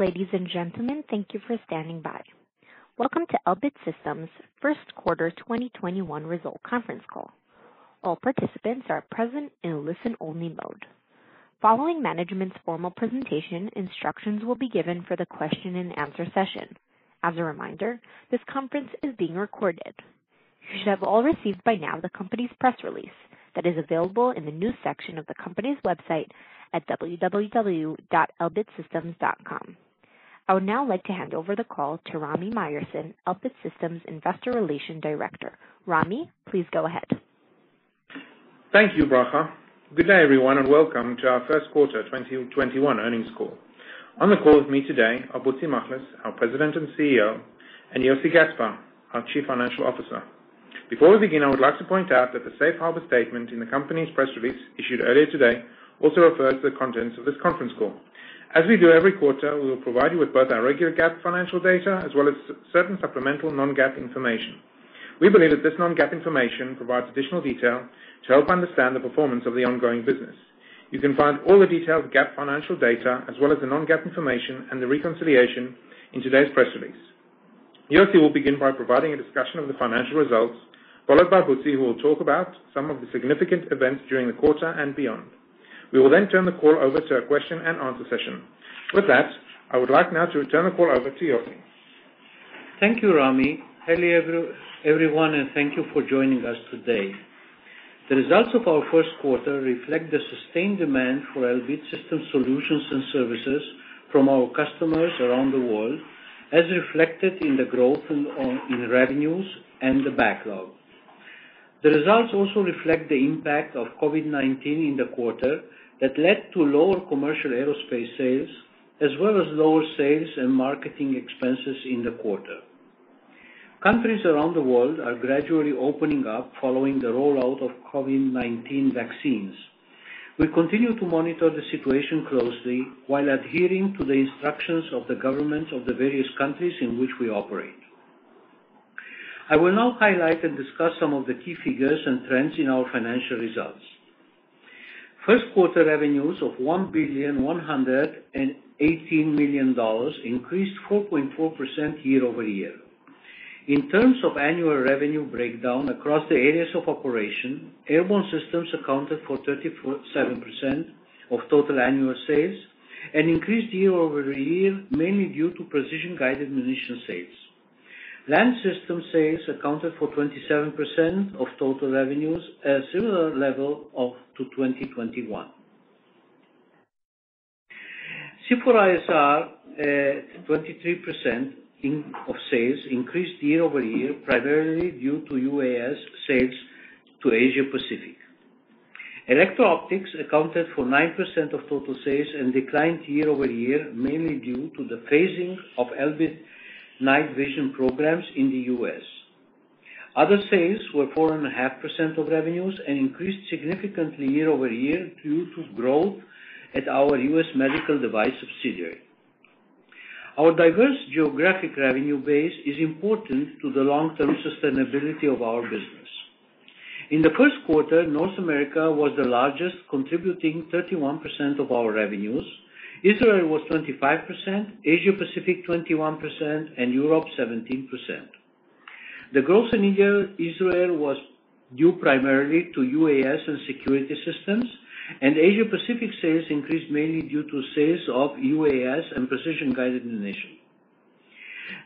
Ladies and gentlemen, thank you for standing by. Welcome to Elbit Systems' first quarter 2021 results conference call. You should have all received by now the company's press release that is available in the news section of the company's website at www.elbitsystems.com. I would now like to hand over the call to Rami Myerson, Elbit Systems' Investor Relations Director. Rami, please go ahead. Thank you, Bracha. Good day, everyone, and welcome to our first quarter 2021 earnings call. On the call with me today are Butzi Machlis, our President and CEO, and Yossi Gaspar, our Chief Financial Officer. Before we begin, I would like to point out that the safe harbor statement in the company's press release issued earlier today also refers to the contents of this conference call. As we do every quarter, we will provide you with both our regular GAAP financial data as well as certain supplemental non-GAAP information. We believe that this non-GAAP information provides additional detail to help understand the performance of the ongoing business. You can find all the detailed GAAP financial data as well as the non-GAAP information and the reconciliation in today's press release. Yossi will begin by providing a discussion of the financial results, followed by Butzi, who will talk about some of the significant events during the quarter and beyond. We will then turn the call over to a question and answer session. With that, I would like now to turn the call over to Yossi. Thank you, Rami. Hello, everyone, and thank you for joining us today. The results of our first quarter reflect the sustained demand for Elbit Systems solutions and services from our customers around the world, as reflected in the growth in revenues and the backlog. The results also reflect the impact of COVID-19 in the quarter that led to lower commercial aerospace sales, as well as lower sales and marketing expenses in the quarter. Countries around the world are gradually opening up following the rollout of COVID-19 vaccines. We continue to monitor the situation closely while adhering to the instructions of the government of the various countries in which we operate. I will now highlight and discuss some of the key figures and trends in our financial results. First quarter revenues of $1.118 billion increased 4.4% year-over-year. In terms of annual revenue breakdown across the areas of operation, Airborne systems accounted for 37% of total annual sales and increased year-over-year mainly due to precision-guided munition sales. Land System sales accounted for 27% of total revenues, a similar level to 2021. C4ISR at 23% of sales increased year-over-year, primarily due to UAS sales to Asia Pacific. Electro-Optics accounted for 9% of total sales and declined year-over-year, mainly due to the phasing of Elbit night vision programs in the U.S. Other sales were 4.5% of revenues and increased significantly year-over-year due to growth at our U.S. medical device subsidiary. Our diverse geographic revenue base is important to the long-term sustainability of our business. In the first quarter, North America was the largest, contributing 31% of our revenues. Israel was 25%, Asia Pacific 21%, and Europe 17%. The growth in Israel was due primarily to UAS and security systems, and Asia Pacific sales increased mainly due to sales of UAS and precision-guided munition.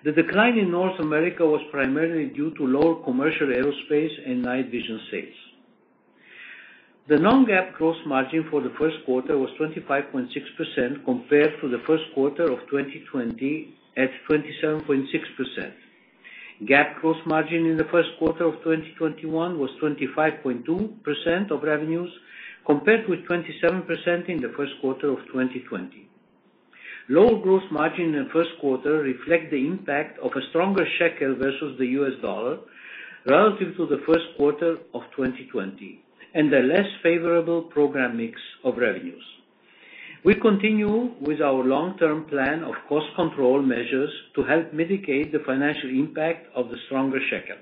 The decline in North America was primarily due to lower commercial aerospace and night vision sales. The non-GAAP gross margin for the first quarter was 25.6% compared to the first quarter of 2020 at 27.6%. GAAP gross margin in the first quarter of 2021 was 25.2% of revenues, compared with 27% in the first quarter of 2020. Lower gross margin in the first quarter reflect the impact of a stronger shekel versus the U.S. dollar relative to the first quarter of 2020, and a less favorable program mix of revenues. We continue with our long-term plan of cost control measures to help mitigate the financial impact of the stronger shekel.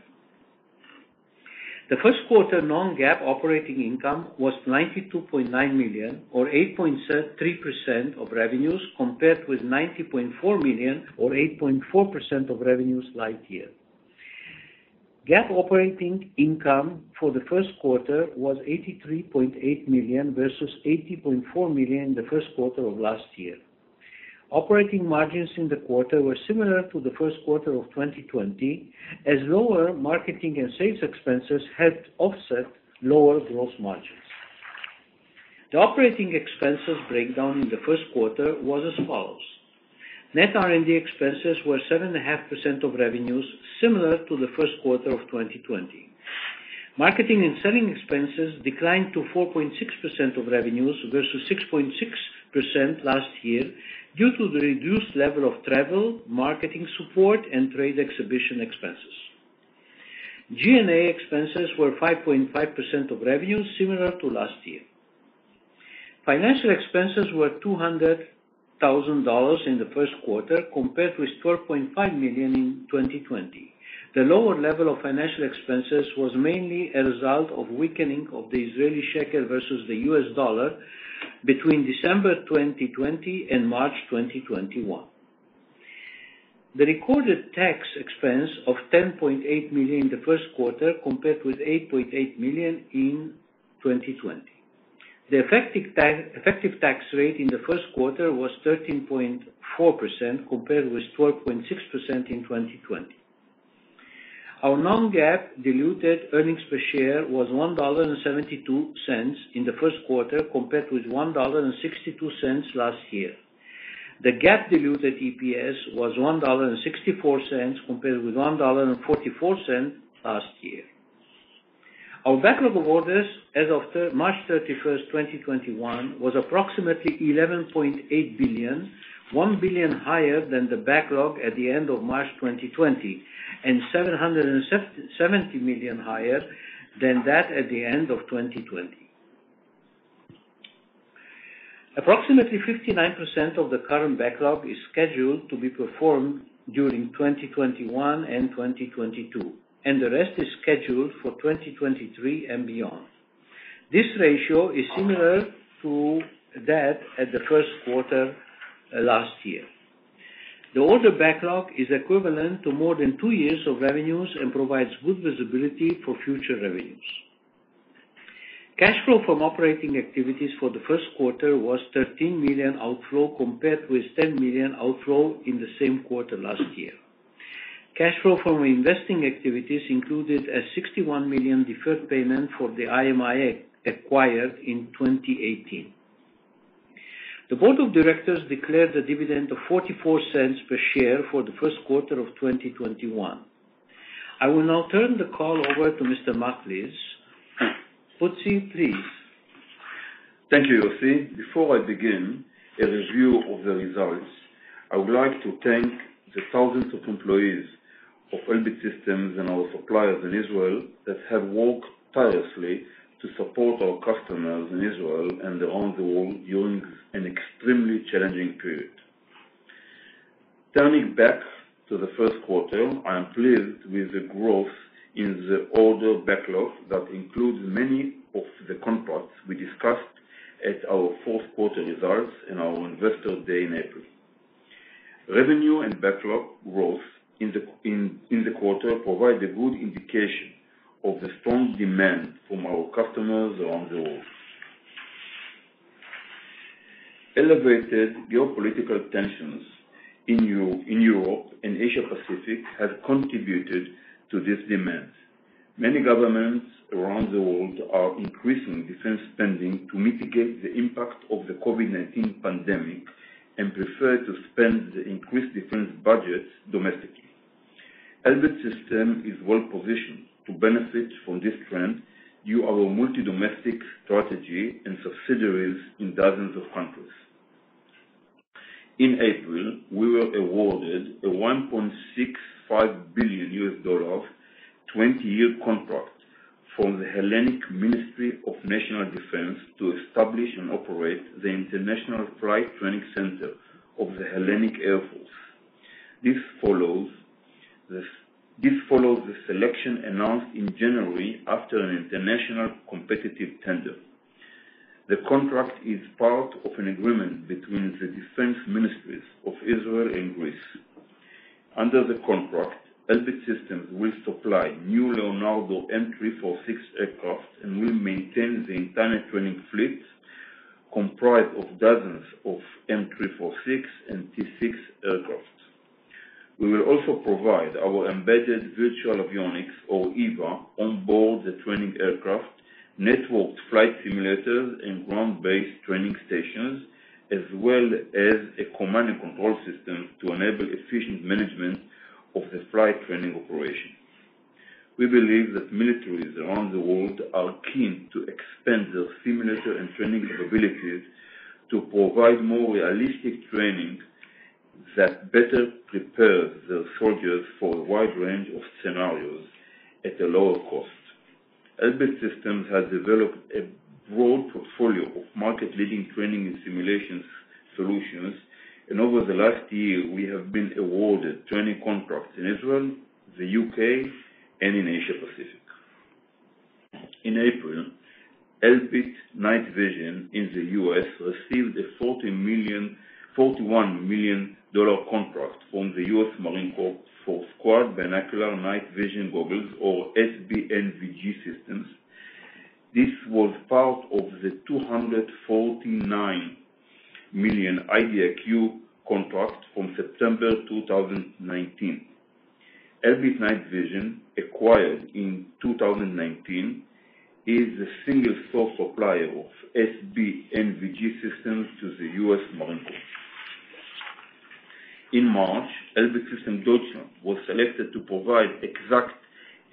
The first quarter non-GAAP operating income was $92.9 million, or 8.3% of revenues, compared with $90.4 million or 8.4% of revenues like year. GAAP operating income for the first quarter was $83.8 million versus $80.4 million in the first quarter of last year. Operating margins in the quarter were similar to the first quarter of 2020, as lower marketing and sales expenses helped offset lower gross margins. The operating expenses breakdown in the first quarter was as follows. Net R&D expenses were 7.5% of revenues, similar to the first quarter of 2020. Marketing and selling expenses declined to 4.6% of revenues versus 6.6% last year due to the reduced level of travel, marketing support, and trade exhibition expenses. G&A expenses were 5.5% of revenues, similar to last year. Financial expenses were $200,000 in the first quarter, compared with $12.5 million in 2020. The lower level of financial expenses was mainly a result of weakening of the Israeli shekel versus the U.S. dollar between December 2020 and March 2021. The recorded tax expense of $10.8 million the first quarter compared with $8.8 million in 2020. The effective tax rate in the first quarter was 13.4% compared with 12.6% in 2020. Our non-GAAP diluted earnings per share was $1.72 in the first quarter, compared with $1.62 last year. The GAAP diluted EPS was $1.64 compared with $1.44 last year. Our backlog of orders as of March 31st, 2021, was approximately $11.8 billion, $1 billion higher than the backlog at the end of March 2020 and $770 million higher than that at the end of 2020. Approximately 59% of the current backlog is scheduled to be performed during 2021 and 2022, and the rest is scheduled for 2023 and beyond. This ratio is similar to that at the first quarter last year. The order backlog is equivalent to more than two years of revenues and provides good visibility for future revenues. Cash flow from operating activities for the first quarter was $13 million outflow, compared with $10 million outflow in the same quarter last year. Cash flow from investing activities included a $61 million deferred payment for the IMI Systems acquired in 2018. The board of directors declared a dividend of $0.44 per share for the first quarter of 2021. I will now turn the call over to Mr. Machlis. Butzi, please. Thank you, Yossi. Before I begin a review of the results, I would like to thank the thousands of employees of Elbit Systems and our suppliers in Israel that have worked tirelessly to support our customers in Israel and around the world during an extremely challenging period. Turning back to the first quarter, I am pleased with the growth in the order backlog that includes many of the contracts we discussed at our fourth quarter results and our Investor Day in April. Revenue and backlog growth in the quarter provide a good indication of the strong demand from our customers around the world. Elevated geopolitical tensions in Europe and Asia Pacific have contributed to this demand. Many governments around the world are increasing defense spending to mitigate the impact of the COVID-19 pandemic and prefer to spend the increased defense budgets domestically. Elbit Systems is well-positioned to benefit from this trend due our multi domestic strategy and subsidiaries in dozens of countries. In April, we were awarded a $1.65 billion 20-year contract from the Hellenic Ministry of National Defence to establish and operate the International Flight Training Center of the Hellenic Air Force. This follows the selection announced in January after an international competitive tender. The contract is part of an agreement between the defense ministries of Israel and Greece. Under the contract, Elbit Systems will supply new Leonardo M-346 aircraft and will maintain the entire training fleet comprised of dozens of M-346 and T-6 aircraft. We will also provide our Embedded Virtual Avionics or EVA onboard the training aircraft, networked flight simulators, and ground-based training stations, as well as a command and control system to enable efficient management of the flight training operation. We believe that militaries around the world are keen to expand their simulator and training capabilities to provide more realistic training that better prepares the soldiers for a wide range of scenarios at a lower cost. Elbit Systems has developed a broad portfolio of market-leading training and simulation solutions, and over the last year, we have been awarded training contracts in Israel, the U.K., and in Asia Pacific. In April, Elbit Night Vision in the U.S. received a $41 million contract from the U.S. Marine Corps for Squad Binocular Night Vision Goggles or SBNVG systems. This was part of the $249 million IDIQ contract from September 2019. Elbit Night Vision, acquired in 2019, is the single-source supplier of SBNVG systems to the U.S. Marine Corps. In March, Elbit Systems Deutschland was selected to provide XACT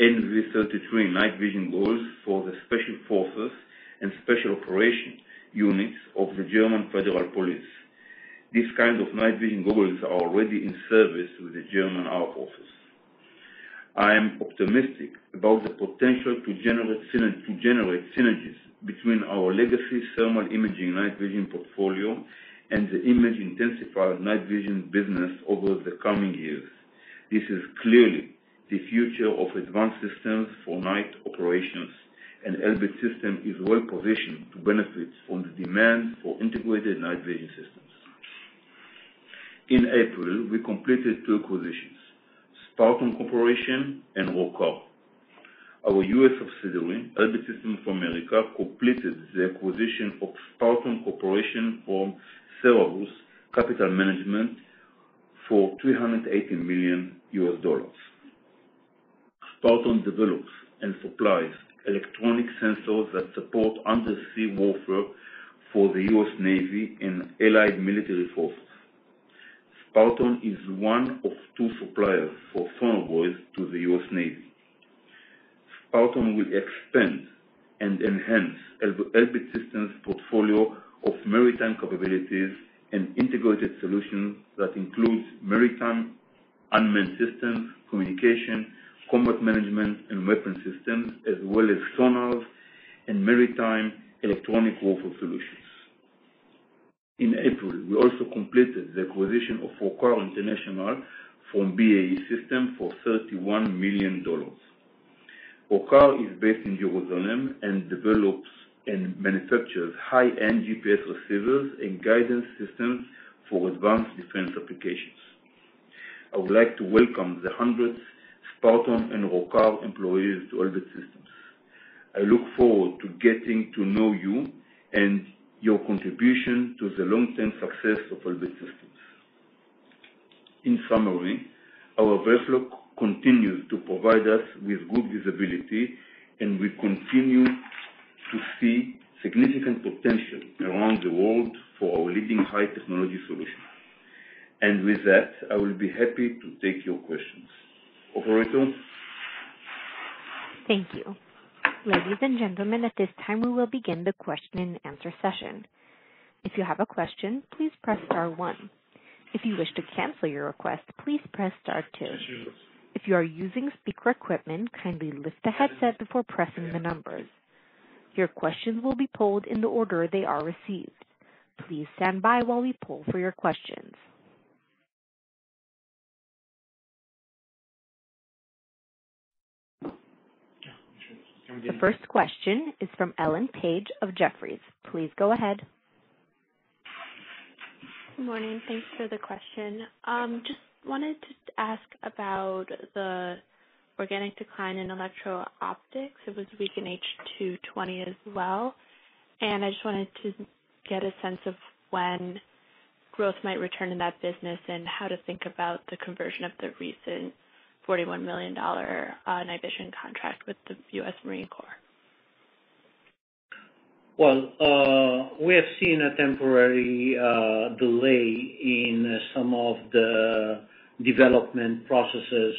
nv33 night vision goggles for the special forces and special operations units of the German Federal Police. These kind of night vision goggles are already in service with the German Air Force. I am optimistic about the potential to generate synergies between our legacy thermal imaging night vision portfolio and the image-intensified night vision business over the coming years. This is clearly the future of advanced systems for night operations, and Elbit Systems is well-positioned to benefit from the demand for integrated night vision systems. In April, we completed two acquisitions, Sparton Corporation and Rokar. Our U.S. subsidiary, Elbit Systems of America, completed the acquisition of Sparton Corporation from Cerberus Capital Management for $318 million. Sparton develops and supplies electronic sensors that support undersea warfare for the U.S. Navy and allied military forces. Sparton is one of two suppliers for sonobuoys to the U.S. Navy. Sparton will expand and enhance Elbit Systems' portfolio of maritime capabilities and integrated solutions that includes maritime unmanned systems, communication, combat management, and weapon systems, as well as sonars and maritime electronic warfare solutions. In April, we also completed the acquisition of Rokar International from BAE Systems for $31 million. Rokar is based in Jerusalem and develops and manufactures high-end GPS receivers and guidance systems for advanced defense applications. I would like to welcome the 100 Sparton and Rokar employees to Elbit Systems. I look forward to getting to know you and your contribution to the long-term success of Elbit Systems. In summary, our backlog continues to provide us with good visibility, and we continue to see significant potential around the world for our leading high-technology solutions. With that, I will be happy to take your questions. Operator? Thank you. Ladies and gentlemen, at this time we will begin the question and answer session. If you have a question, please press star one. If you wish to cancel your request, please press star two. If you are using speaker equipment, kindly lift the handset before pressing the number. Your question will be polled in the order they are received. Please stand by while we poll for your questions. The first question is from Ellen Page of Jefferies. Please go ahead. Good morning. Thanks for the question. Just wanted to ask about the organic decline in electro-optics. It was weak in H2 2020 as well. I just wanted to get a sense of when growth might return to that business and how to think about the conversion of the recent $41 million night vision contract with the U.S. Marine Corps. We have seen a temporary delay in some of the development processes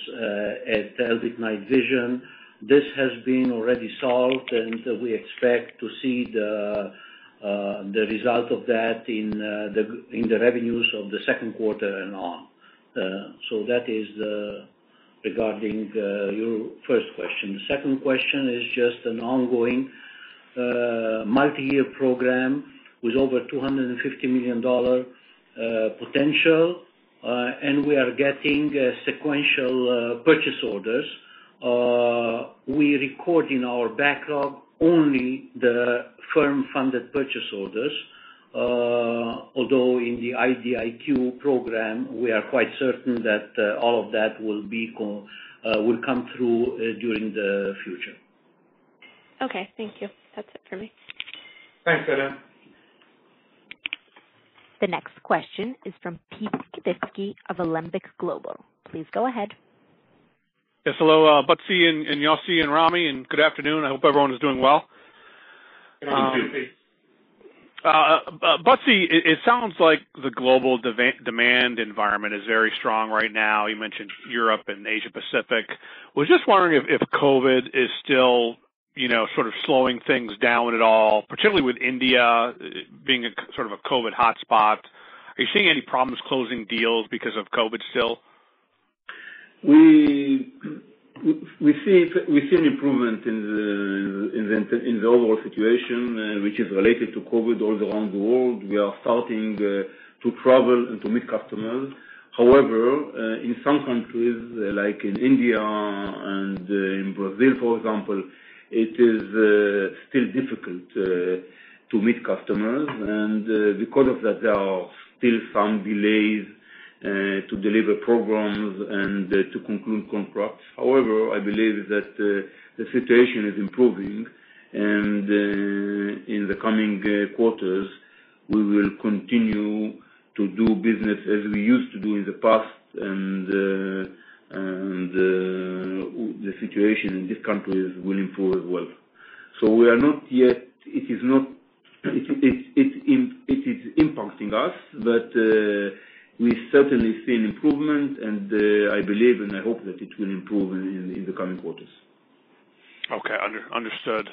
at Elbit Night Vision. This has been already solved, and we expect to see the result of that in the revenues of the second quarter and on. That is regarding your first question. The second question is just an ongoing multi-year program with over $250 million potential, and we are getting sequential purchase orders. We record in our backlog only the firm funded purchase orders, although in the IDIQ program, we are quite certain that all of that will come through during the future. Okay, thank you. That's it for me. Thanks, Ellen. The next question is from Pete Skibitski of Alembic Global. Please go ahead. Yes, hello, Butzi and Yossi and Rami, and good afternoon. I hope everyone is doing well. Yeah. Good, Pete. Butzi, it sounds like the global demand environment is very strong right now. You mentioned Europe and Asia Pacific. Was just wondering if COVID is still slowing things down at all, particularly with India being a COVID hotspot. Are you seeing any problems closing deals because of COVID still? We see an improvement in the overall situation, which is related to COVID all around the world. We are starting to travel and to meet customers. However, in some countries, like in India and in Brazil, for example, it is still difficult to meet customers. Because of that, there are still some delays to deliver programs and to conclude contracts. However, I believe that the situation is improving, and in the coming quarters, we will continue to do business as we used to do in the past, and the situation in these countries will improve as well. It is impacting us, but we certainly see an improvement, and I believe and I hope that it will improve in the coming quarters. Okay. Understood.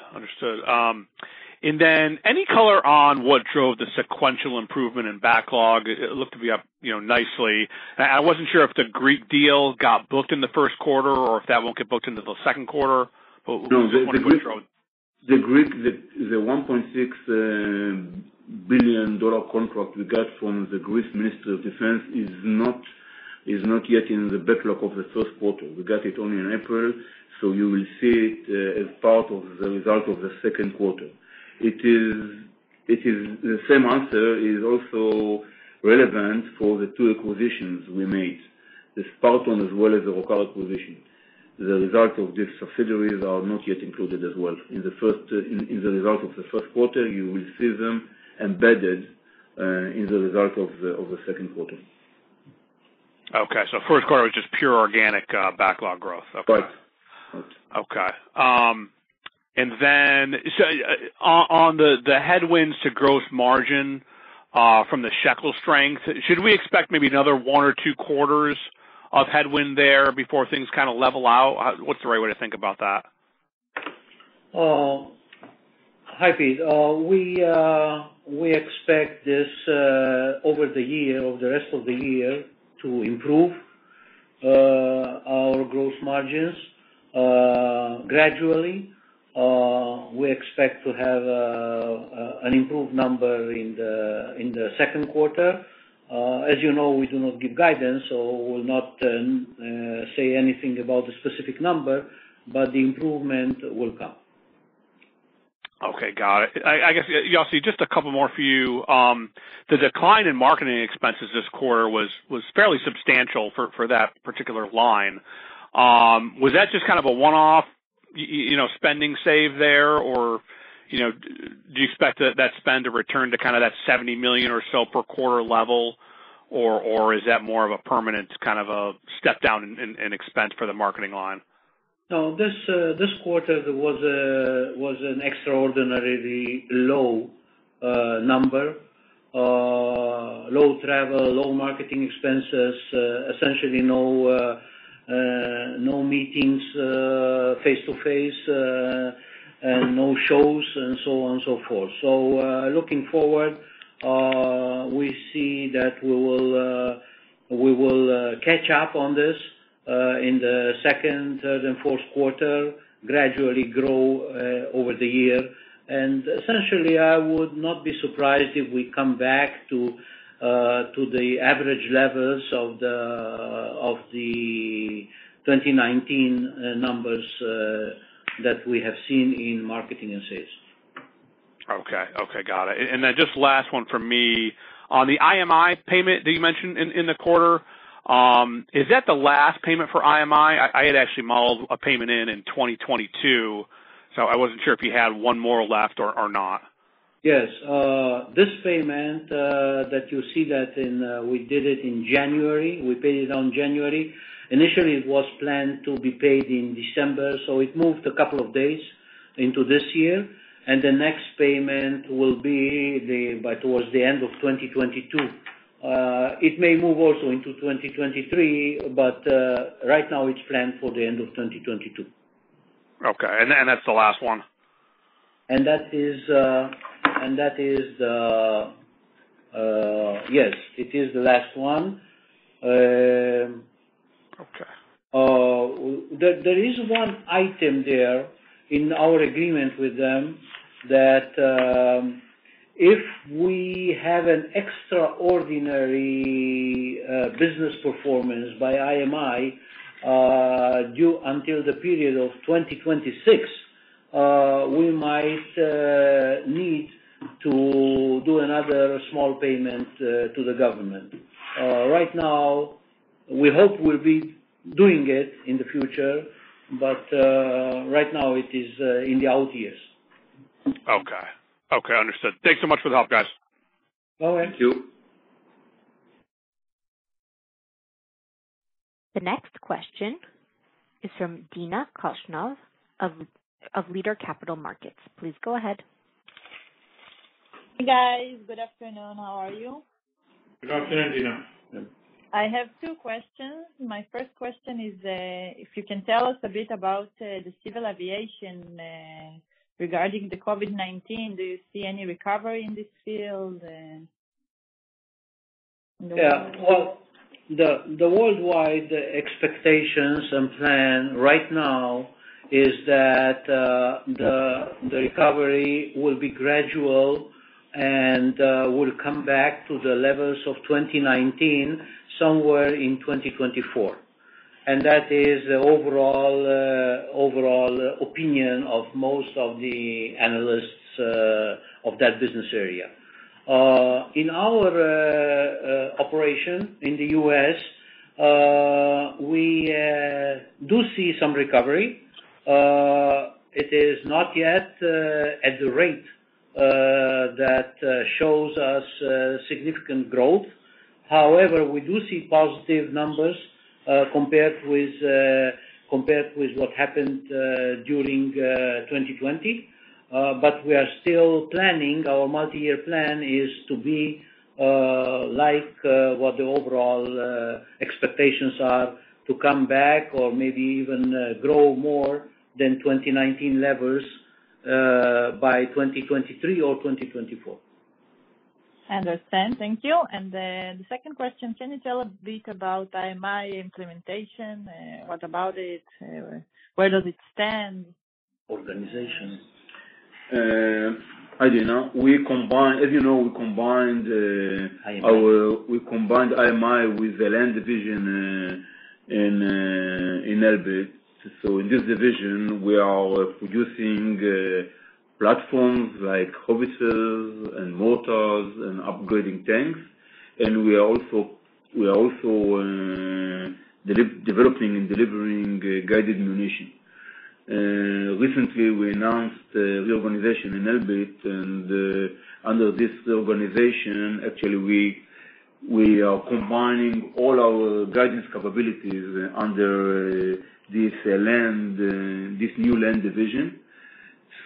Any color on what drove the sequential improvement in backlog? It looked to be up nicely. I wasn't sure if the Greek deal got booked in the first quarter or if that will get booked into the second quarter. The $1.6 billion contract we got from the Greece Minister of Defense is not yet in the backlog of the first quarter. You will see it as part of the result of the second quarter. The same answer is also relevant for the two acquisitions we made, the Sparton as well as the Rokar acquisition. The result of these subsidiaries are not yet included as well. In the result of the first quarter, you will see them embedded in the result of the second quarter. Okay. first quarter was just pure organic backlog growth. Right. Okay. On the headwinds to gross margin from the Shekel strength, should we expect maybe another one or two quarters of headwind there before things level out? What's the right way to think about that? Hi, Pete. We expect this over the year, the rest of the year, to improve our gross margins gradually. We expect to have an improved number in the second quarter. As you know, we do not give guidance. We'll not say anything about the specific number. The improvement will come. Okay, got it. I guess, Yossi, just a couple more for you. The decline in marketing expenses this quarter was fairly substantial for that particular line. Was that just a one-off spending save there, or do you expect that spend to return to that $70 million or so per quarter level, or is that more of a permanent step down in expense for the marketing line? This quarter was an extraordinarily low number. Low travel, low marketing expenses, essentially no meetings face-to-face and no shows, and so on and so forth. Looking forward, we see that we will catch up on this in the second and fourth quarter, gradually grow over the year. Essentially, I would not be surprised if we come back to the average levels of the 2019 numbers that we have seen in marketing and sales. Okay. Got it. Then just last one from me. On the IMI payment that you mentioned in the quarter, is that the last payment for IMI? I had actually modeled a payment in 2022, so I wasn't sure if you had one more left or not. Yes. This payment that you see that we did it in January, we paid it on January. Initially, it was planned to be paid in December, so it moved a couple of days into this year, and the next payment will be towards the end of 2022. It may move also into 2023, but right now it's planned for the end of 2022. Okay, it's the last one. Yes, it is the last one. Okay. There is one item there in our agreement with them that if we have an extraordinary business performance by IMI due until the period of 2026, we might need to do another small payment to the government. Right now, we hope we'll be doing it in the future, but right now it is in the out years. Okay. Understood. Thanks so much for the help, guys. No worries. Thank you. The next question is from Dina Korshunov of Leader Capital Markets. Please go ahead. Hey, guys. Good afternoon. How are you? Good afternoon, Dina. I have two questions. My first question is if you can tell us a bit about the civil aviation regarding the COVID-19. Do you see any recovery in this field? Well, the worldwide expectations and plan right now is that the recovery will be gradual and will come back to the levels of 2019 somewhere in 2024. That is the overall opinion of most of the analysts of that business area. In our operation in the U.S., we do see some recovery. It is not yet at the rate that shows us significant growth. However, we do see positive numbers compared with what happened during 2020. We are still planning, our multi-year plan is to be like what the overall expectations are to come back or maybe even grow more than 2019 levels by 2023 or 2024. Understand. Thank you. The second question, can you tell us a bit about IMI implementation? What about it? Where does it stand? Organization. Dina, as you know, we combined IMI with the Land Division in Elbit. In this Division, we are producing platforms like howitzers and mortars and upgrading tanks. We are also developing and delivering guided ammunition. Recently, we announced the reorganization in Elbit, and under this reorganization, actually, we are combining all our guidance capabilities under this new Land Division.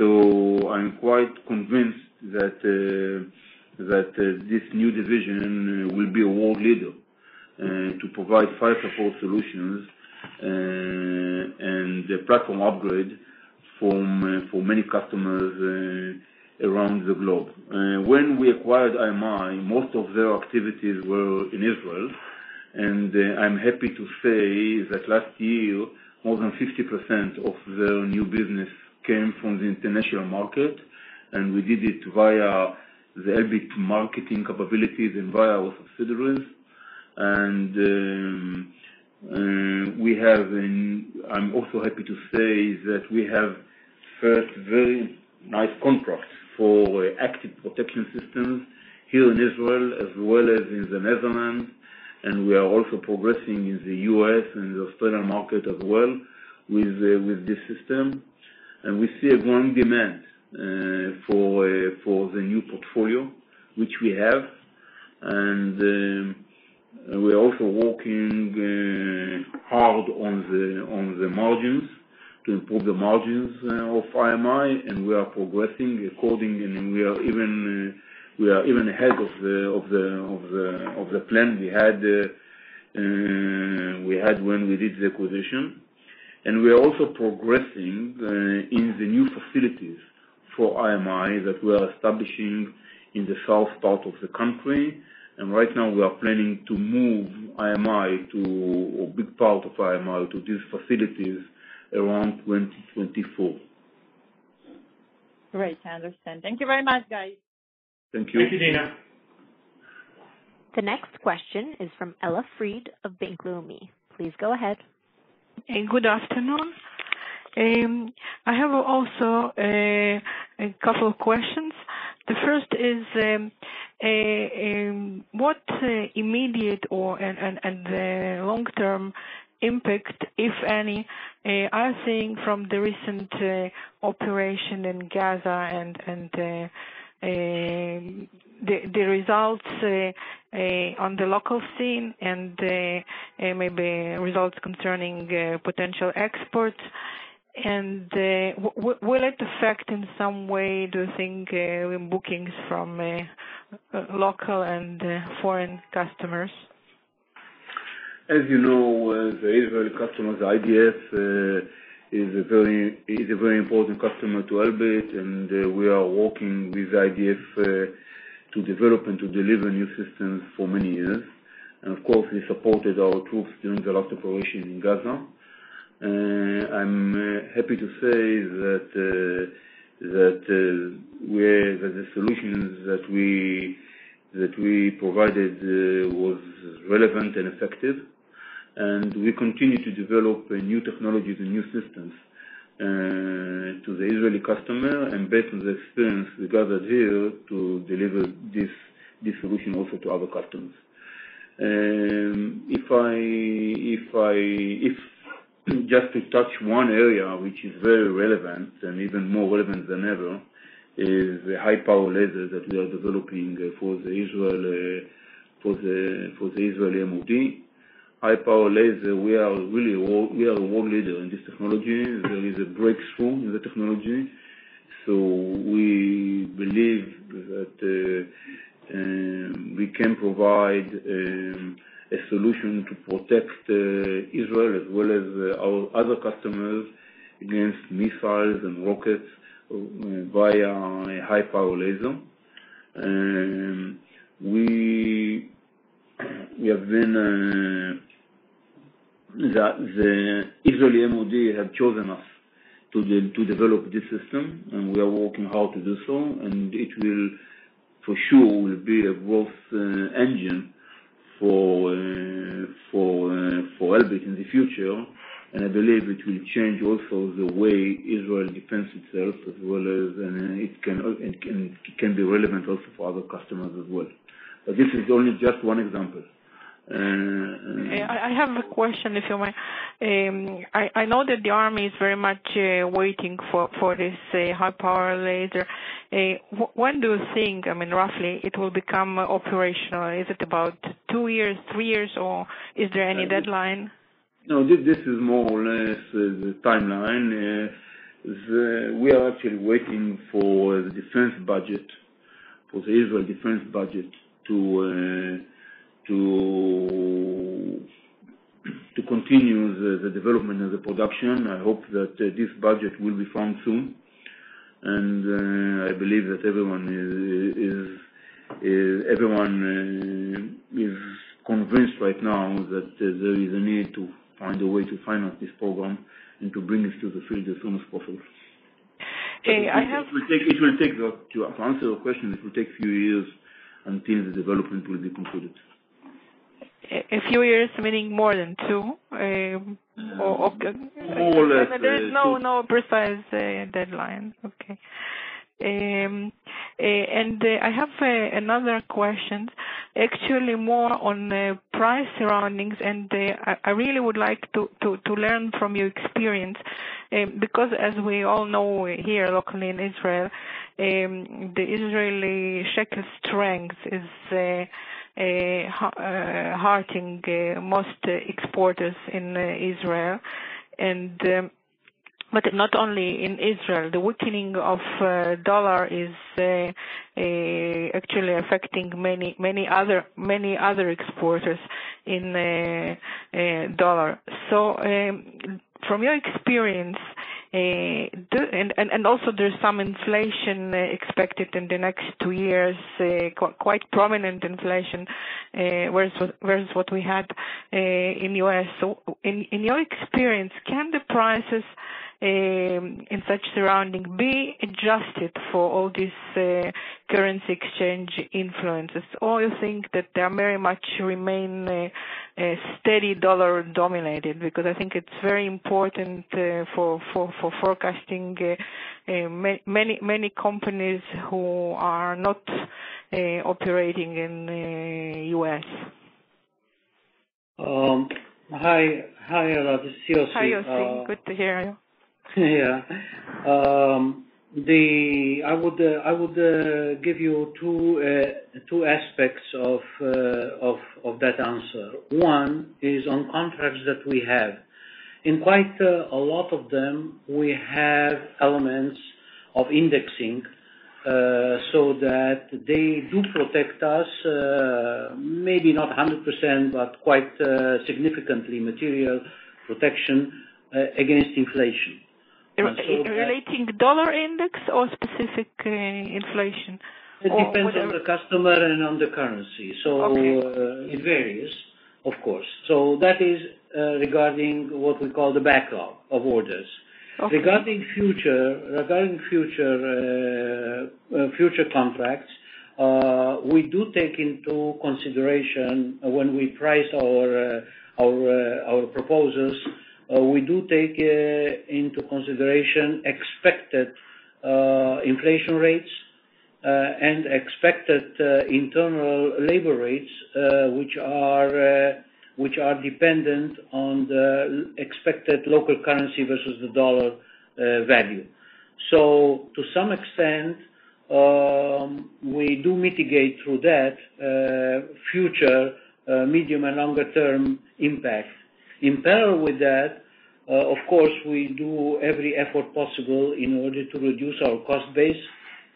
I'm quite convinced that this new Division will be a world leader to provide [fight-to-fall] solutions and platform upgrade for many customers around the globe. When we acquired IMI, most of their activities were in Israel, and I'm happy to say that last year, more than 50% of their new business came from the international market, and we did it via the Elbit marketing capabilities and via our subsidiaries. I'm also happy to say that we have first very live contracts for active protection systems here in Israel as well as in the Netherlands, and we are also progressing in the U.S. and the Australian market as well with this system. We see a growing demand for the new portfolio, which we have. We're also working hard on the margins to improve the margins of IMI, and we are progressing accordingly, and we are even ahead of the plan we had when we did the acquisition. We are also progressing in the new facilities for IMI that we are establishing in the south part of the country. Right now, we are planning to move IMI to, or a big part of IMI to these facilities around 2024. Great. Understand. Thank you very much, guys. Thank you. Thank you, Dina. The next question is from Ella Fried of Bank Leumi. Please go ahead. Good afternoon. I have also a couple questions. The first is, what immediate or the long-term impact, if any, are seeing from the recent operation in Gaza and the results on the local scene and maybe results concerning potential exports? Will it affect in some way, do you think, in bookings from local and foreign customers? As you know, the Israeli customer, IDF, is a very important customer to Elbit, we are working with IDF to develop and to deliver new systems for many years. Of course, we supported our troops during the last operation in Gaza. I'm happy to say that the solutions that we provided were relevant and effective, we continue to develop new technologies and new systems to the Israeli customer, based on the experience we gathered here to deliver this solution also to other customers. Just to touch one area, which is very relevant and even more relevant than ever, is the high-power laser that we are developing for the Israeli MOD. High-power laser, we are a world leader in this technology. There is a breakthrough in the technology. We believe that we can provide a solution to protect Israel as well as our other customers against missiles and rockets via high-power laser. The Israeli MOD have chosen us to develop this system, and we are working hard to do so, and it will for sure be a growth engine for Elbit in the future, and I believe it will change also the way Israel defends itself as well as it can be relevant also for other customers as well. This is only just one example. I have a question this way. I know that the army is very much waiting for this high-power laser. When do you think, I mean, roughly, it will become operational? Is it about two years, three years, or is there any deadline? This is more or less the timeline. We are actually waiting for the Israel defense budget to continue the development of the production. I hope that this budget will be found soon. I believe that everyone is convinced right now that there is a need to find a way to finance this program and to bring it to the field as soon as possible. Hey, I have. To answer your question, it will take few years until the development will be concluded. A few years, meaning more than two? Or- More or less, yes. There is no precise deadline. Okay. I have another question, actually more on price surroundings. I really would like to learn from your experience, because as we all know here locally in Israel, the Israeli shekel strength is hurting most exporters in Israel. Not only in Israel, the weakening of dollar is actually affecting many other exporters in dollar. From your experience, and also there's some inflation expected in the next two years, quite prominent inflation, versus what we had in U.S. In your experience, can the prices in such surrounding be adjusted for all these currency exchange influences? Or you think that they very much remain a steady dollar-dominated? Because I think it's very important for forecasting many companies who are not operating in U.S. Hi, Ella. This is Yossi. Hi, Yossi. Good to hear you. Yeah. I would give you two aspects of that answer. One, is on contracts that we have. In quite a lot of them, we have elements of indexing, so that they do protect us, maybe not 100%, but quite significantly material protection against inflation. Relating dollar index or specific inflation, or both of them? It depends on the customer and on the currency. Okay. It varies, of course. That is regarding what we call the backup of orders. Okay. Regarding future contracts, when we price our proposals, we do take into consideration expected inflation rates, and expected internal labor rates, which are dependent on the expected local currency versus the dollars value. To some extent, we do mitigate through that, future medium and longer term impact. In parallel with that, of course, we do every effort possible in order to reduce our cost base,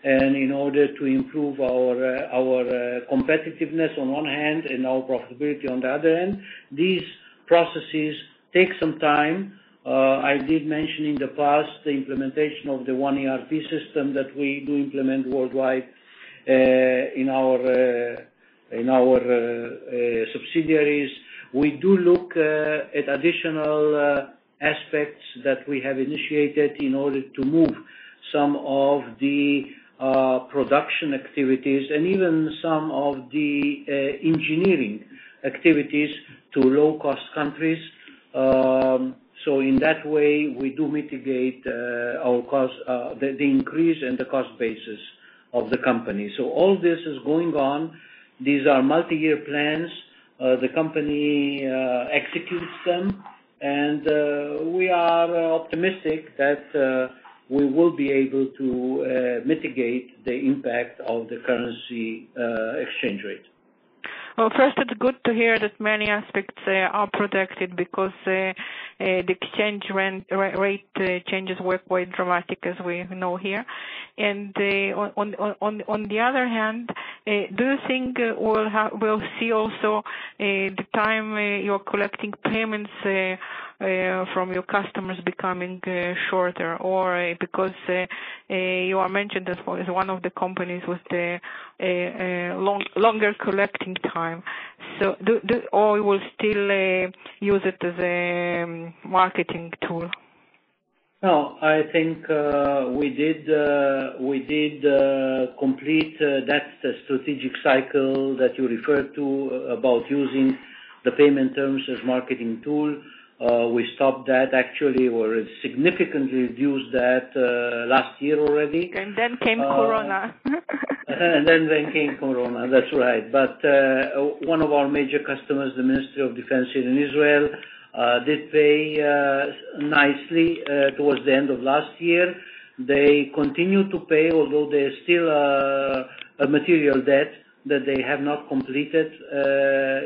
and in order to improve our competitiveness on one hand, and our profitability on the other hand. These processes take some time. I did mention in the past the implementation of the one ERP system that we do implement worldwide, in our subsidiaries. We do look at additional aspects that we have initiated in order to move some of the production activities, and even some of the engineering activities to low-cost countries. In that way, we do mitigate the increase in the cost basis of the company. All this is going on. These are multi-year plans. The company executes them, and we are optimistic that we will be able to mitigate the impact of the currency exchange rate. Well, first, it's good to hear that many aspects are protected because the exchange rate changes were quite dramatic as we know here. On the other hand, do you think we'll see also the time you're collecting payments from your customers becoming shorter? Because you mentioned as well as one of the companies with the longer collecting time. You will still use it as a marketing tool? No, I think we did complete that strategic cycle that you referred to about using the payment terms as marketing tool. We stopped that actually, or significantly reduced that last year already. Then came Corona. Then came corona. That's right. One of our major customers, the Israeli Ministry of Defense, did pay nicely towards the end of last year. They continue to pay, although there's still a material debt that they have not completed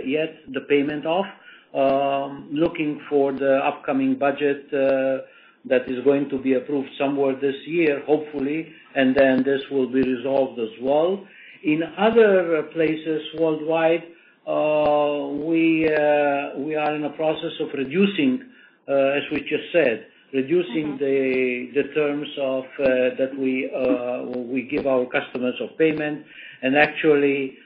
yet the payment of. Looking for the upcoming budget that is going to be approved somewhere this year, hopefully, and then this will be resolved as well. In other places worldwide, we are in the process of reducing, as we just said, reducing the terms that we give our customers of payment. Actually,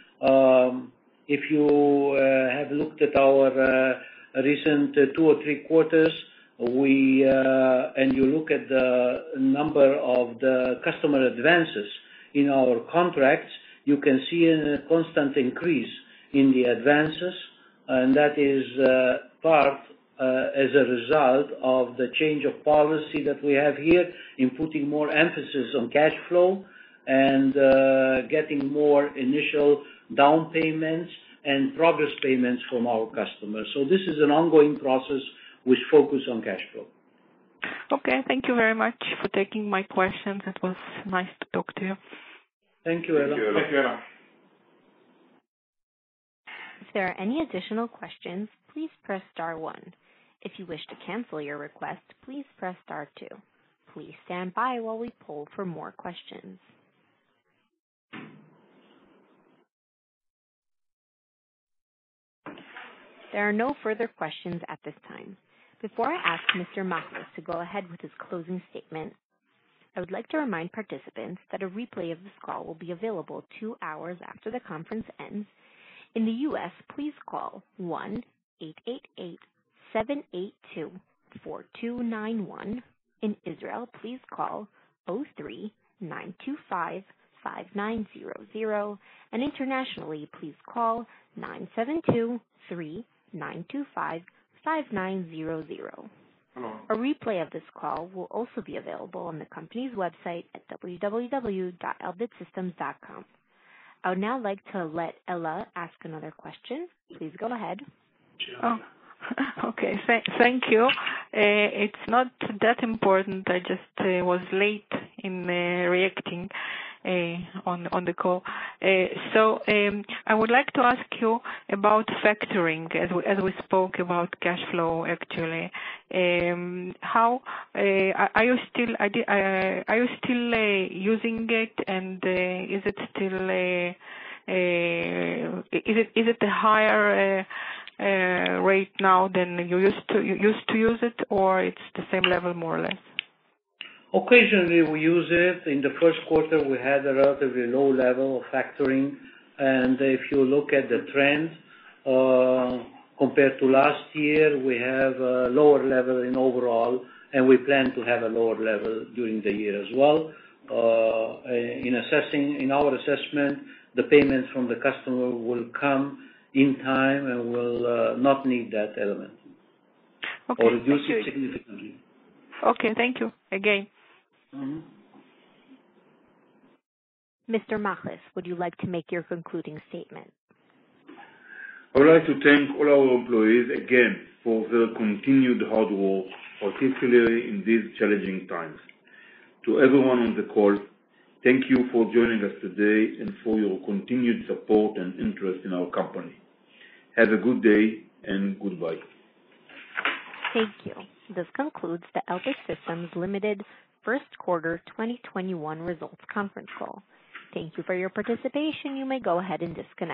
if you have looked at our recent two or three quarters, and you look at the number of the customer advances in our contracts, you can see a constant increase in the advances. That is part as a result of the change of policy that we have here in putting more emphasis on cash flow and getting more initial down payments and progress payments from our customers. This is an ongoing process which focuses on cash flow. Okay. Thank you very much for taking my questions. It was nice to talk to you. Thank you, Ella. Thank you, Ella. Before I ask Mr. Machlis to go ahead with his closing statement, I would like to remind participants that a replay of this call will be available 2 hours after the conference ends. In the U.S., please call 1-888-782-4291. In Israel, please call 03-925-5900, and internationally, please call 972-3-925-5900. A replay of this call will also be available on the company's website at www.elbitsystems.com. I'd now like to let Ella ask another question. Please go ahead. Oh, okay. Thank you. It's not that important. I just was late in reacting on the call. I would like to ask you about factoring, as we spoke about cash flow, actually. Are you still using it, and is it a higher rate now than you used to use it, or it's the same level, more or less? Occasionally we use it. In the first quarter, we had a relatively low level of factoring. If you look at the trend, compared to last year, we have a lower level in overall, and we plan to have a lower level during the year as well. In our assessment, the payments from the customer will come in time and will not need that element or reduce it significantly. Okay, thank you again. Mr. Machlis, would you like to make your concluding statement? I would like to thank all our employees again for their continued hard work, particularly in these challenging times. To everyone on the call, thank you for joining us today and for your continued support and interest in our company. Have a good day, and goodbye. Thank you. This concludes the Elbit Systems Ltd. first quarter 2021 results conference call. Thank you for your participation. You may go ahead and disconnect.